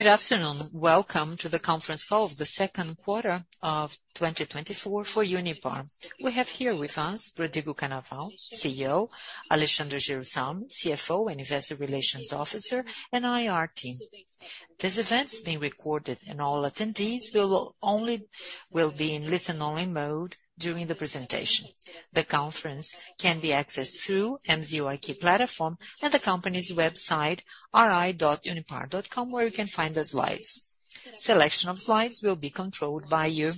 Good afternoon. Welcome to the conference call of the second quarter of 2024 for Unipar. We have here with us Rodrigo Cannaval, CEO, Alexandre Jerusalmy, CFO and Investor Relations Officer, and IR team. This event is being recorded, and all attendees will only be in listen-only mode during the presentation. The conference can be accessed through MZiQ platform and the company's website, ri.unipar.com, where you can find the slides. Selection of slides will be controlled by you.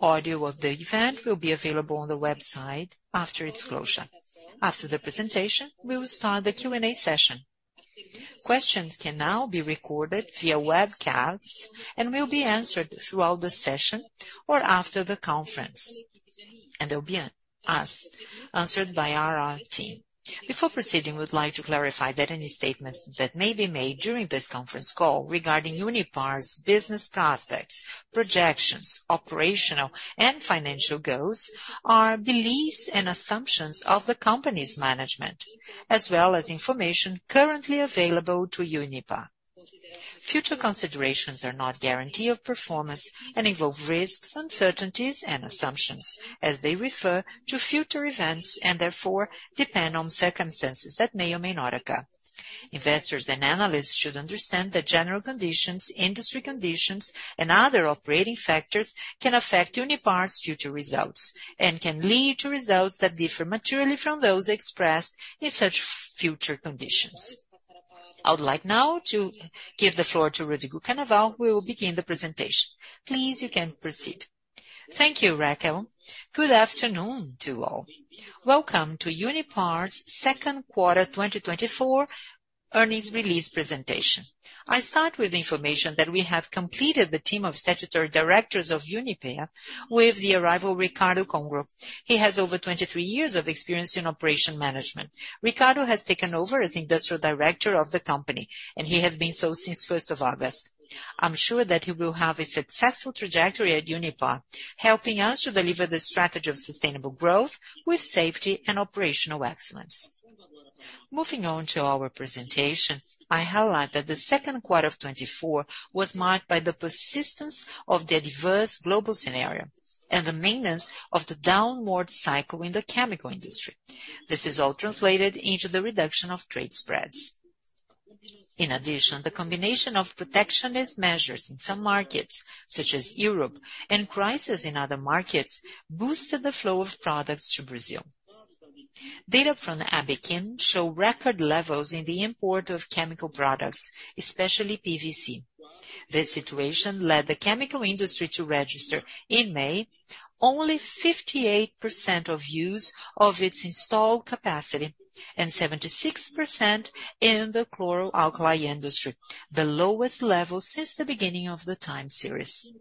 Audio of the event will be available on the website after its closure. After the presentation, we will start the Q&A session. Questions can now be recorded via webcast and will be answered throughout the session or after the conference, and they'll be asked, answered by our team. Before proceeding, we'd like to clarify that any statements that may be made during this conference call regarding Unipar's business prospects, projections, operational and financial goals, are beliefs and assumptions of the company's management, as well as information currently available to Unipar. Future considerations are not guarantee of performance and involve risks, uncertainties, and assumptions as they refer to future events, and therefore, depend on circumstances that may or may not occur. Investors and analysts should understand the general conditions, industry conditions, and other operating factors can affect Unipar's future results, and can lead to results that differ materially from those expressed in such future conditions. I would like now to give the floor to Rodrigo Cannaval, who will begin the presentation. Please, you can proceed. Thank you, Rachel. Good afternoon to all. Welcome to Unipar's second quarter 2024 earnings release presentation. I start with the information that we have completed the team of statutory directors of Unipar with the arrival of Ricardo Congro. He has over 23 years of experience in operation management. Ricardo has taken over as Industrial Director of the company, and he has been so since first of August. I'm sure that he will have a successful trajectory at Unipar, helping us to deliver the strategy of sustainable growth with safety and operational excellence. Moving on to our presentation, I highlight that the second quarter of 2024 was marked by the persistence of the adverse global scenario and the maintenance of the downward cycle in the chemical industry. This is all translated into the reduction of trade spreads. In addition, the combination of protectionist measures in some markets, such as Europe and crisis in other markets, boosted the flow of products to Brazil. Data from the Abiquim show record levels in the import of chemical products, especially PVC. This situation led the chemical industry to register, in May, only 58% of use of its installed capacity and 76% in the chloro-alkali industry, the lowest level since the beginning of the time series.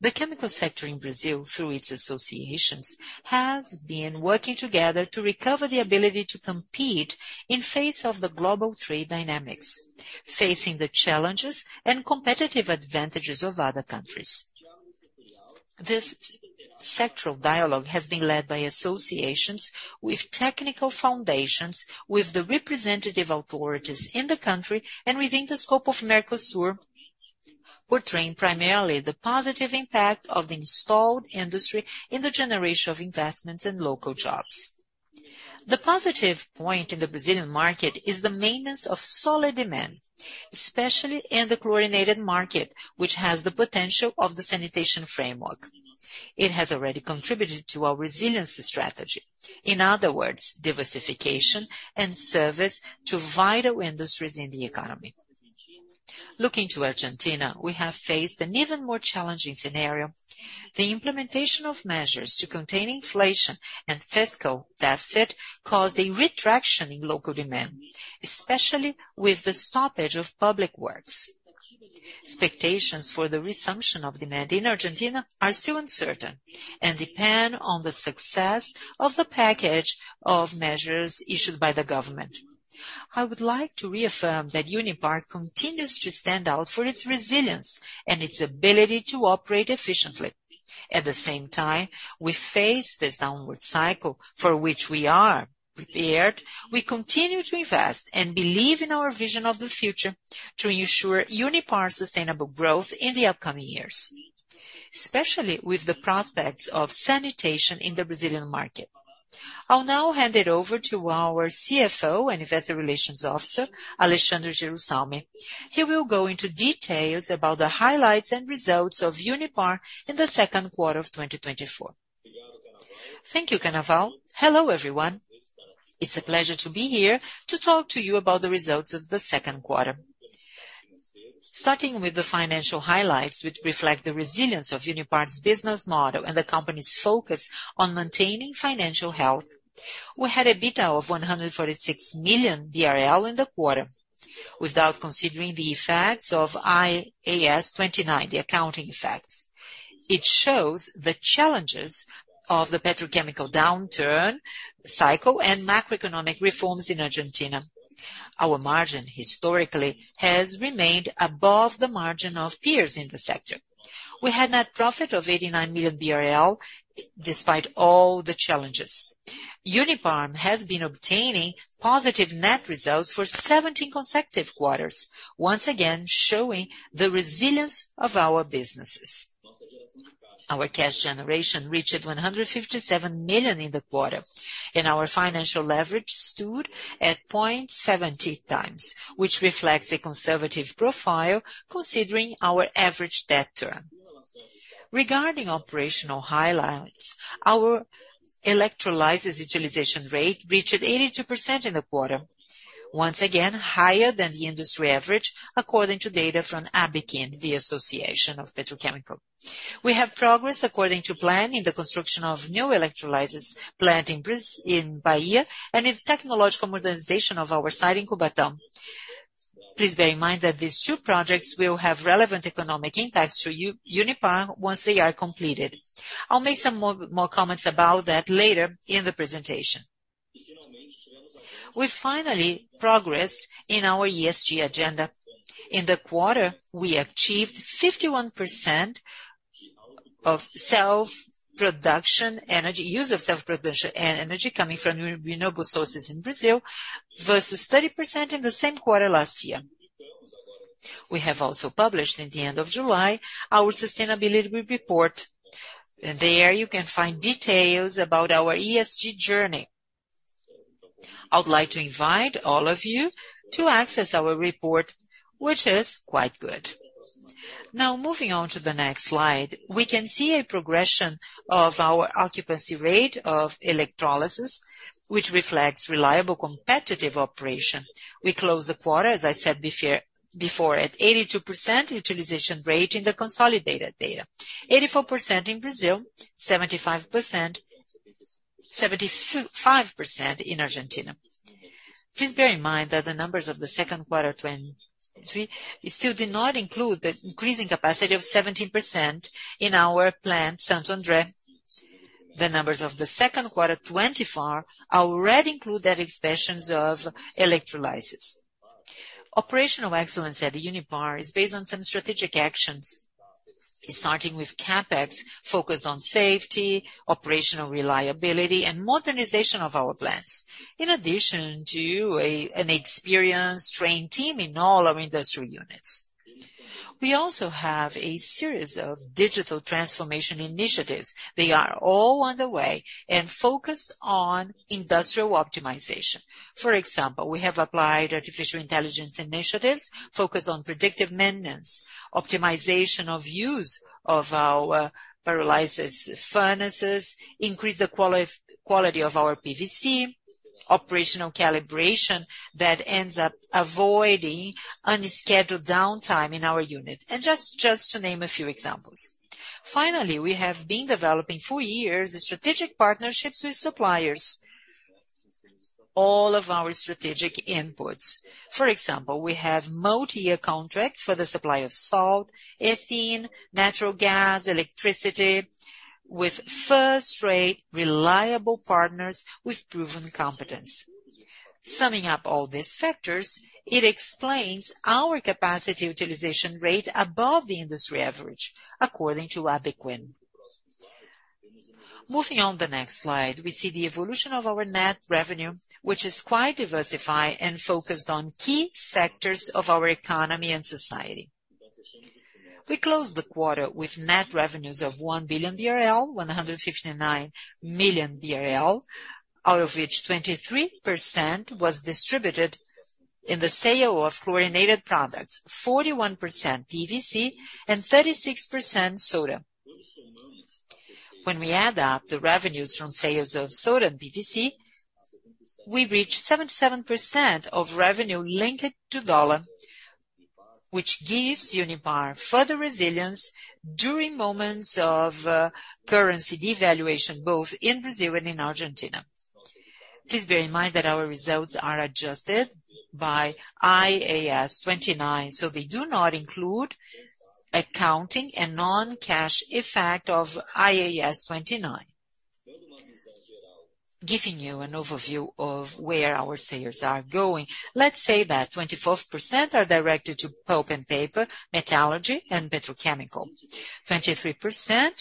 The chemical sector in Brazil, through its associations, has been working together to recover the ability to compete in face of the global trade dynamics, facing the challenges and competitive advantages of other countries. This sectoral dialogue has been led by associations with technical foundations, with the representative authorities in the country, and within the scope of Mercosur, portraying primarily the positive impact of the installed industry in the generation of investments and local jobs. The positive point in the Brazilian market is the maintenance of solid demand, especially in the chlorinated market, which has the potential of the sanitation framework. It has already contributed to our resiliency strategy. In other words, diversification and service to vital industries in the economy. Looking to Argentina, we have faced an even more challenging scenario. The implementation of measures to contain inflation and fiscal deficit caused a retraction in local demand, especially with the stoppage of public works. Expectations for the resumption of demand in Argentina are still uncertain and depend on the success of the package of measures issued by the government. I would like to reaffirm that Unipar continues to stand out for its resilience and its ability to operate efficiently. At the same time, we face this downward cycle for which we are prepared. We continue to invest and believe in our vision of the future to ensure Unipar's sustainable growth in the upcoming years, especially with the prospects of sanitation in the Brazilian market. I'll now hand it over to our CFO and Investor Relations Officer, Alexandre Jerusalmy. He will go into details about the highlights and results of Unipar in the second quarter of 2024. Thank you, Cannaval. Hello, everyone. It's a pleasure to be here to talk to you about the results of the second quarter. Starting with the financial highlights, which reflect the resilience of Unipar's business model and the company's focus on maintaining financial health, we had an EBITDA of 146 million BRL in the quarter. Without considering the effects of IAS 29, the accounting effects, it shows the challenges of the petrochemical downturn cycle and macroeconomic reforms in Argentina. Our margin, historically, has remained above the margin of peers in the sector. We had net profit of 89 million BRL, despite all the challenges. Unipar has been obtaining positive net results for 17 consecutive quarters, once again, showing the resilience of our businesses. Our cash generation reached 157 million in the quarter, and our financial leverage stood at 0.70 times, which reflects a conservative profile, considering our average debt term. Regarding operational highlights, our electrolysis utilization rate reached 82% in the quarter. Once again, higher than the industry average, according to data from Abiquim, the Association of Petrochemical. We have progressed according to plan in the construction of new electrolysis plant in Bahia, and in technological modernization of our site in Cubatão. Please bear in mind that these two projects will have relevant economic impacts to Unipar once they are completed. I'll make some more, more comments about that later in the presentation. We finally progressed in our ESG agenda. In the quarter, we achieved 51% of self-production energy use of self-production and energy coming from renewable sources in Brazil, versus 30% in the same quarter last year. We have also published in the end of July, our sustainability report. And there, you can find details about our ESG journey. I would like to invite all of you to access our report, which is quite good. Now, moving on to the next slide, we can see a progression of our occupancy rate of electrolysis, which reflects reliable competitive operation. We closed the quarter, as I said before, at 82% utilization rate in the consolidated data. 84% in Brazil, 75% in Argentina. Please bear in mind that the numbers of the second quarter 2023 still did not include the increasing capacity of 17% in our plant, Santo André. The numbers of the second quarter 2024 already include that expansions of electrolysis. Operational excellence at Unipar is based on some strategic actions, starting with CapEx, focused on safety, operational reliability, and modernization of our plants, in addition to an experienced, trained team in all our industrial units. We also have a series of digital transformation initiatives. They are all on the way and focused on industrial optimization. For example, we have applied artificial intelligence initiatives, focused on predictive maintenance, optimization of use of our pyrolysis furnaces, increase the quality of our PVC, operational calibration that ends up avoiding unscheduled downtime in our unit, and just to name a few examples. Finally, we have been developing for years, strategic partnerships with suppliers. All of our strategic inputs. For example, we have multi-year contracts for the supply of salt, ethylene, natural gas, electricity, with first-rate, reliable partners with proven competence. Summing up all these factors, it explains our capacity utilization rate above the industry average, according to Abiquim. Moving on the next slide, we see the evolution of our net revenue, which is quite diversified and focused on key sectors of our economy and society. We closed the quarter with net revenues of 1 billion BRL, 159 million BRL, out of which 23% was distributed in the sale of chlorinated products, 41% PVC, and 36% soda. When we add up the revenues from sales of soda and PVC, we reach 77% of revenue linked to dollar, which gives Unipar further resilience during moments of currency devaluation, both in Brazil and in Argentina. Please bear in mind that our results are adjusted by IAS 29, so they do not include accounting and non-cash effect of IAS 29. Giving you an overview of where our sales are going, let's say that 24% are directed to pulp and paper, metallurgy and petrochemical. 23%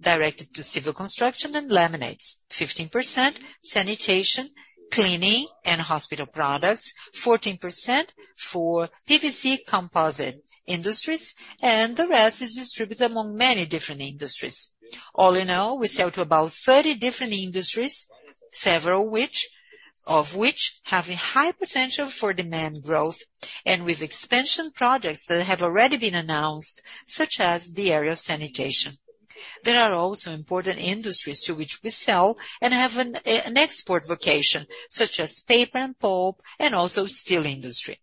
directed to civil construction and laminates. 15%, sanitation, cleaning, and hospital products. 14% for PVC composite industries, and the rest is distributed among many different industries. All in all, we sell to about 30 different industries, several of which have a high potential for demand growth and with expansion projects that have already been announced, such as the area of sanitation. There are also important industries to which we sell and have an export vocation, such as paper and pulp, and also steel industry.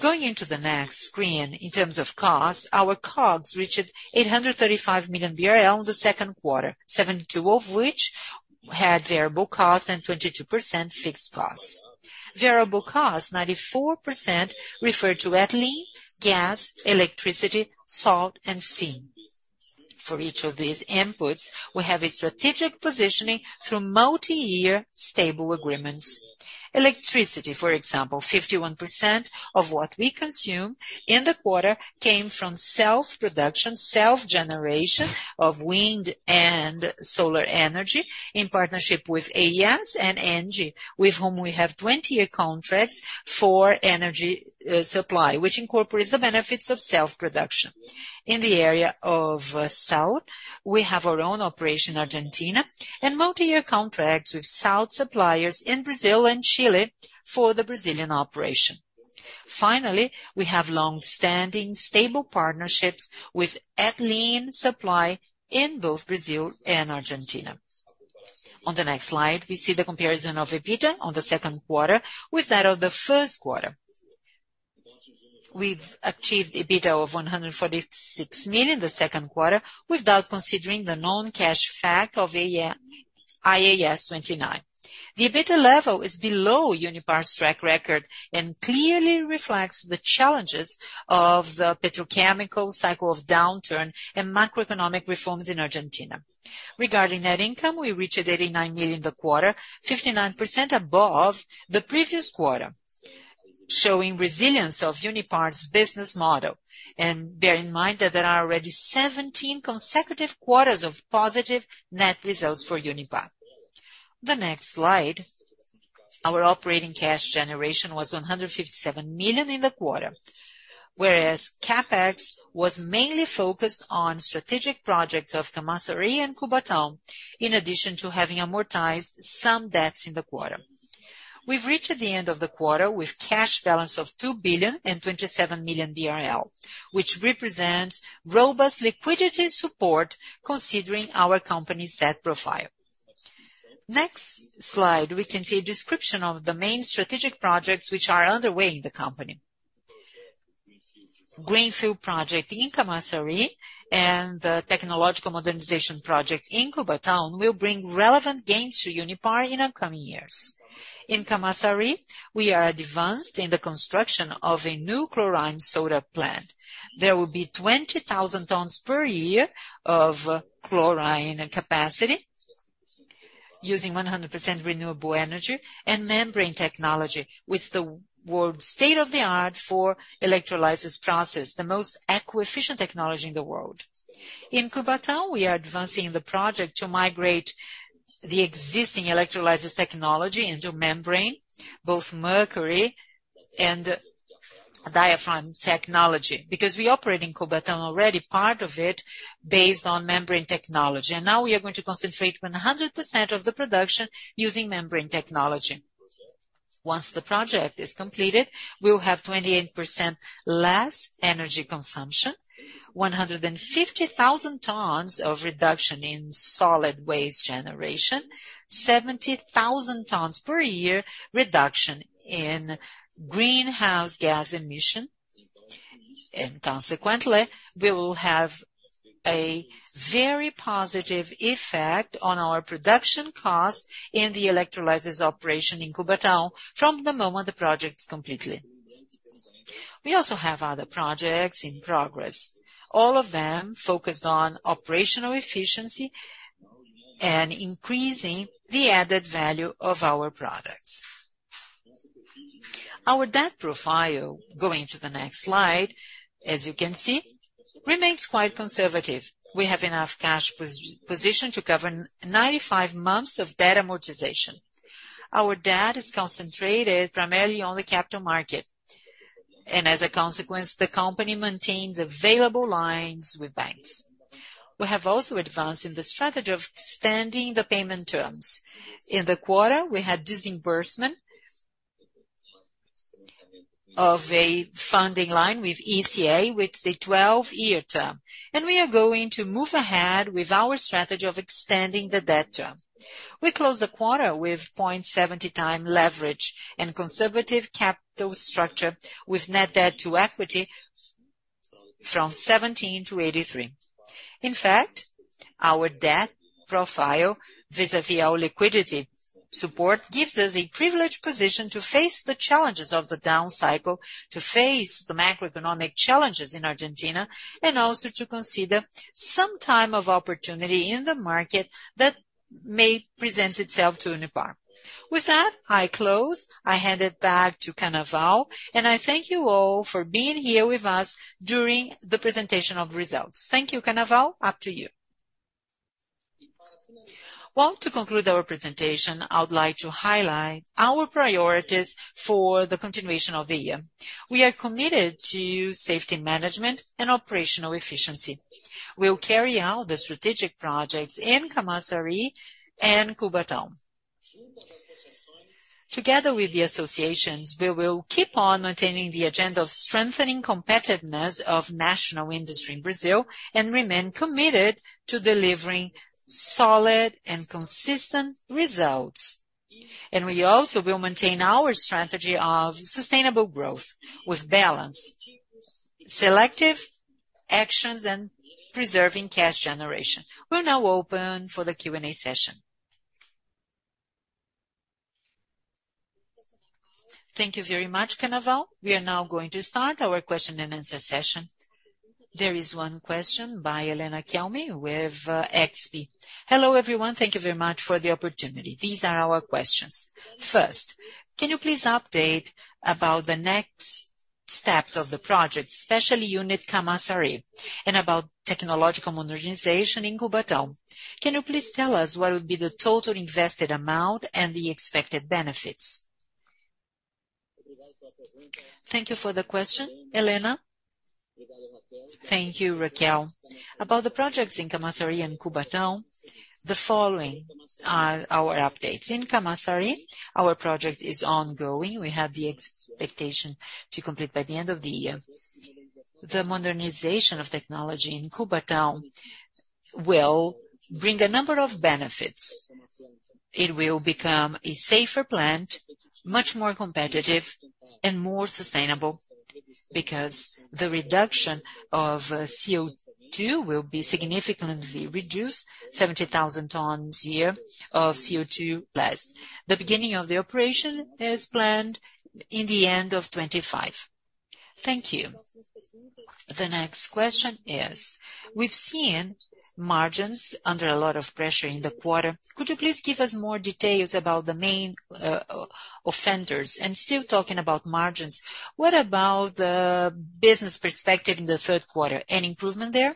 Going into the next screen, in terms of cost, our COGS reached 835 million BRL in the second quarter, 72% of which had variable costs and 22% fixed costs. Variable costs, 94%, refer to ethylene, gas, electricity, salt, and steam. For each of these inputs, we have a strategic positioning through multi-year stable agreements. Electricity, for example, 51% of what we consume in the quarter, came from self-production, self-generation of wind and solar energy in partnership with AES and ENGIE, with whom we have 20-year contracts for energy supply, which incorporates the benefits of self-production. In the area of salt, we have our own operation, Argentina, and multi-year contracts with salt suppliers in Brazil and Chile for the Brazilian operation. Finally, we have long-standing, stable partnerships with ethylene supply in both Brazil and Argentina. On the next slide, we see the comparison of EBITDA on the second quarter with that of the first quarter. We've achieved EBITDA of 146 million in the second quarter, without considering the non-cash effect of IAS 29. The EBITDA level is below Unipar's track record and clearly reflects the challenges of the petrochemical cycle of downturn and macroeconomic reforms in Argentina. Regarding net income, we reached 89 million in the quarter, 59% above the previous quarter, showing resilience of Unipar's business model. Bear in mind that there are already 17 consecutive quarters of positive net results for Unipar. The next slide, our operating cash generation was 157 million in the quarter, whereas CapEx was mainly focused on strategic projects of Camaçari and Cubatão, in addition to having amortized some debts in the quarter. We've reached the end of the quarter with cash balance of 2.027 billion, which represents robust liquidity support considering our company's debt profile. Next slide, we can see a description of the main strategic projects which are underway in the company. Greenfield project in Camaçari and the technological modernization project in Cubatão will bring relevant gains to Unipar in upcoming years. In Camaçari, we are advanced in the construction of a new chlorine soda plant. There will be 20,000 tons per year of chlorine and capacity using 100% renewable energy and membrane technology, with the world's state-of-the-art for electrolysis process, the most eco-efficient technology in the world. In Cubatão, we are advancing the project to migrate the existing electrolysis technology into membrane, both mercury and diaphragm technology, because we operate in Cubatão, already part of it, based on membrane technology. And now we are going to concentrate 100% of the production using membrane technology. Once the project is completed, we will have 28% less energy consumption, 150,000 tons of reduction in solid waste generation, 70,000 tons per year reduction in greenhouse gas emission, and consequently, we will have a very positive effect on our production costs in the electrolysis operation in Cubatão from the moment the project is completely. We also have other projects in progress, all of them focused on operational efficiency and increasing the added value of our products. Our debt profile, going to the next slide, as you can see, remains quite conservative. We have enough cash position to cover 95 months of debt amortization. Our debt is concentrated primarily on the capital market, and as a consequence, the company maintains available lines with banks. We have also advanced in the strategy of extending the payment terms. In the quarter, we had disbursement of a funding line with ECA, with a 12-year term, and we are going to move ahead with our strategy of extending the debt term. We closed the quarter with 0.70 times leverage and conservative capital structure, with net debt to equity from 17 to 83. In fact, our debt profile vis-a-vis our liquidity support, gives us a privileged position to face the challenges of the down cycle, to face the macroeconomic challenges in Argentina, and also to consider some time of opportunity in the market that may present itself to Unipar. With that, I close. I hand it back to Cannaval, and I thank you all for being here with us during the presentation of results. Thank you, Cannaval, up to you. Well, to conclude our presentation, I would like to highlight our priorities for the continuation of the year. We are committed to safety management and operational efficiency. We'll carry out the strategic projects in Camaçari and Cubatão. Together with the associations, we will keep on maintaining the agenda of strengthening competitiveness of national industry in Brazil, and remain committed to delivering solid and consistent results. And we also will maintain our strategy of sustainable growth with balance, selective actions, and preserving cash generation. We'll now open for the Q&A session. Thank you very much, Cannaval. We are now going to start our question and answer session. There is one question by Helena Kelm with XP. Hello, everyone. Thank you very much for the opportunity. These are our questions. First, can you please update about the next steps of the project, especially unit Camaçari, and about technological modernization in Cubatão? Can you please tell us what would be the total invested amount and the expected benefits? Thank you for the question, Helena. Thank you, Raquel. About the projects in Camaçari and Cubatão, the following are our updates. In Camaçari, our project is ongoing. We have the expectation to complete by the end of the year. The modernization of technology in Cubatão will bring a number of benefits. It will become a safer plant, much more competitive and more sustainable, because the reduction of CO2 will be significantly reduced, 70,000 tons a year of CO2 less. The beginning of the operation is planned in the end of 2025. Thank you. The next question is: we've seen margins under a lot of pressure in the quarter. Could you please give us more details about the main offenders? And still talking about margins, what about the business perspective in the third quarter? Any improvement there?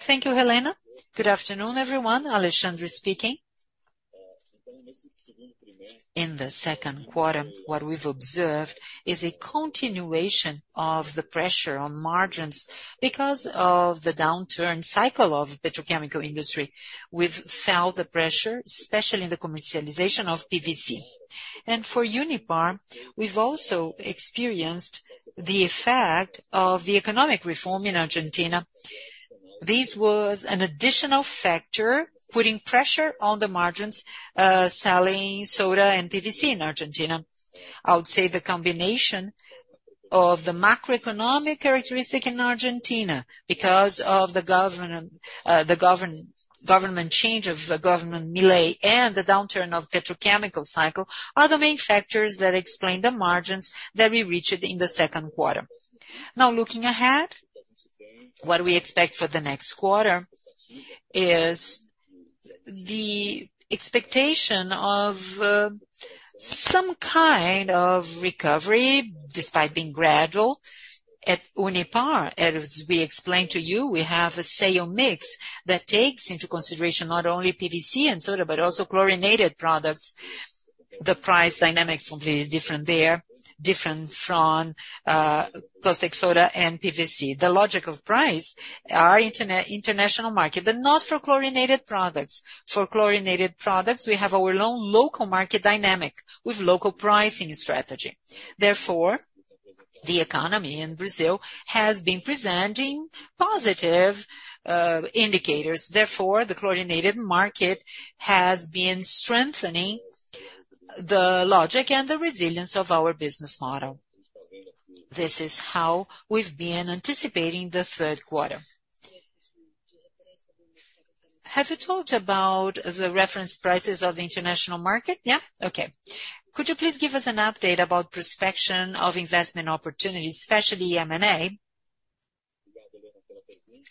Thank you, Helena. Good afternoon, everyone. Alexandre speaking. In the second quarter, what we've observed is a continuation of the pressure on margins because of the downturn cycle of petrochemical industry. We've felt the pressure, especially in the commercialization of PVC. For Unipar, we've also experienced the effect of the economic reform in Argentina. This was an additional factor, putting pressure on the margins, selling soda and PVC in Argentina. I would say the combination of the macroeconomic characteristic in Argentina because of the government change of the government Milei and the downturn of petrochemical cycle are the main factors that explain the margins that we reached in the second quarter. Now, looking ahead, what we expect for the next quarter is the expectation of some kind of recovery, despite being gradual, at Unipar. As we explained to you, we have a sale mix that takes into consideration not only PVC and soda, but also chlorinated products. The price dynamics will be different there, different from caustic soda and PVC. The logic of price are international market, but not for chlorinated products. For chlorinated products, we have our own local market dynamic with local pricing strategy. Therefore, the economy in Brazil has been presenting positive indicators. Therefore, the chlorinated market has been strengthening the logic and the resilience of our business model. This is how we've been anticipating the third quarter. Have you talked about the reference prices of the international market? Yeah. Okay. Could you please give us an update about prospection of investment opportunities, especially M&A?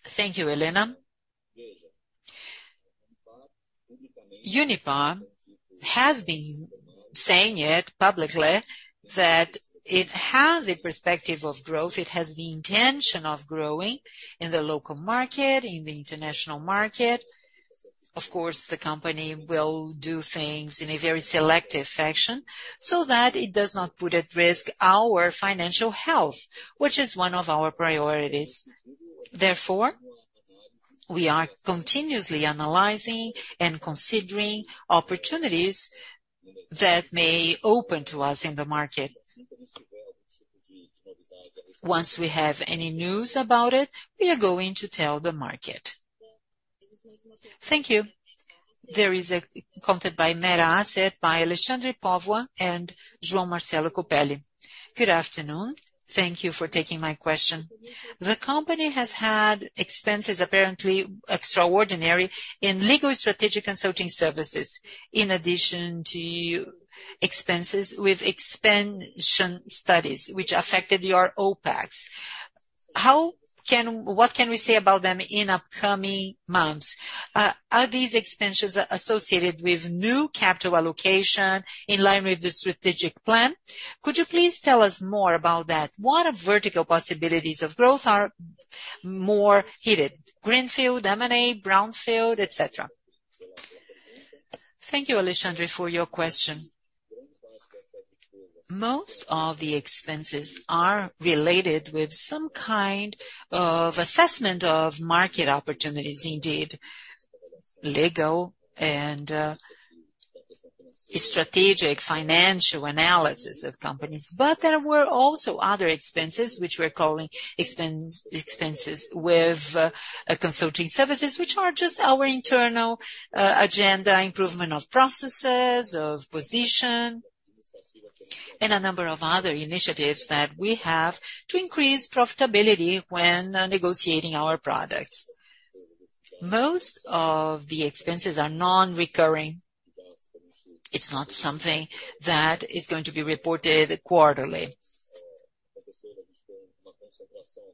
Thank you, Helena. Unipar has been saying it publicly that it has a perspective of growth, it has the intention of growing in the local market, in the international market. Of course, the company will do things in a very selective fashion so that it does not put at risk our financial health, which is one of our priorities. Therefore, we are continuously analyzing and considering opportunities that may open to us in the market. Once we have any news about it, we are going to tell the market. Thank you. There is a comment by Mar Asset, by Alexandre Pádua and João Marcelo Copelli. Good afternoon. Thank you for taking my question. The company has had expenses, apparently extraordinary, in legal and strategic consulting services, in addition to expenses with expansion studies which affected your OPEX. How can... What can we say about them in upcoming months? Are these expenses associated with new capital allocation in line with the strategic plan? Could you please tell us more about that? What vertical possibilities of growth are more heated? Greenfield, M&A, Brownfield, et cetera. Thank you, Alexandre, for your question. Most of the expenses are related with some kind of assessment of market opportunities, indeed, legal and, strategic financial analysis of companies. But there were also other expenses, which we're calling expense, expenses with, consulting services, which are just our internal, agenda, improvement of processes, of position, and a number of other initiatives that we have to increase profitability when, negotiating our products. Most of the expenses are non-recurring. It's not something that is going to be reported quarterly.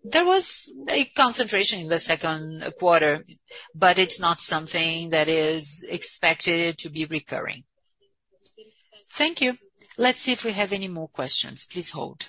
There was a concentration in the second quarter, but it's not something that is expected to be recurring. Thank you. Let's see if we have any more questions. Please hold.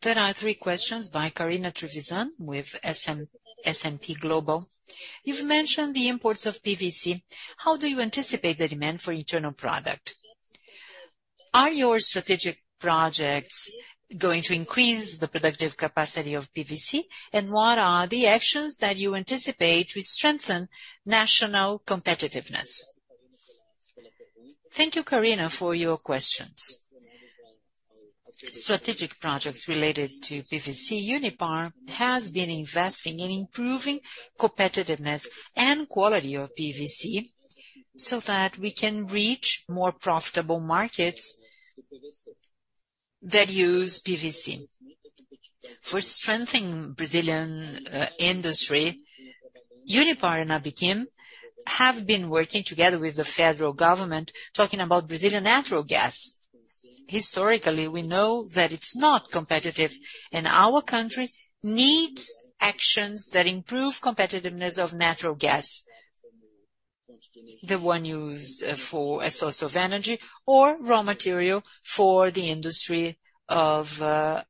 There are three questions by Karina Trevizan with S&P Global. "You've mentioned the imports of PVC. How do you anticipate the demand for internal product? Are your strategic projects going to increase the productive capacity of PVC? And what are the actions that you anticipate to strengthen national competitiveness?" Thank you, Karina, for your questions. Strategic projects related to PVC, Unipar has been investing in improving competitiveness and quality of PVC, so that we can reach more profitable markets that use PVC. For strengthening Brazilian industry, Unipar and Abiquim have been working together with the federal government, talking about Brazilian natural gas. Historically, we know that it's not competitive, and our country needs actions that improve competitiveness of natural gas, the one used for a source of energy or raw material for the industry of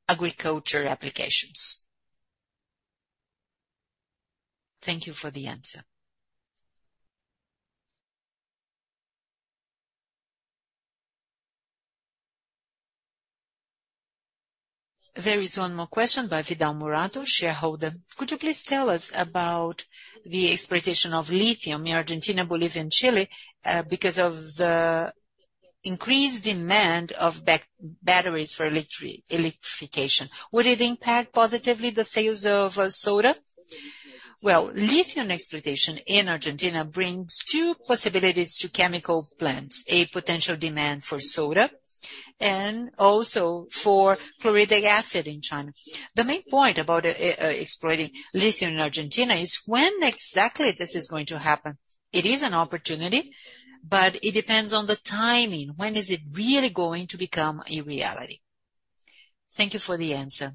agriculture applications. Thank you for the answer. There is one more question by Vidal Morato, shareholder. "Could you please tell us about the exploitation of lithium in Argentina, Bolivia, and Chile because of the increased demand of batteries for electrification, would it impact positively the sales of soda?" Well, lithium exploitation in Argentina brings two possibilities to chemical plants: a potential demand for soda and also for hydrochloric acid in China. The main point about exploiting lithium in Argentina is when exactly this is going to happen. It is an opportunity, but it depends on the timing. When is it really going to become a reality? Thank you for the answer.